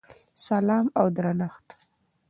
سلام او درنښت!!!